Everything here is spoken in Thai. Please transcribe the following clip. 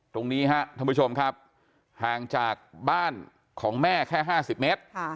ตรงนี้ครับท่านผู้ชมครับห่างจากบ้านของแม่แค่๕๐เมตร